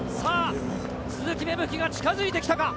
鈴木芽吹が近づいてきたか？